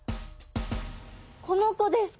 この子ですか。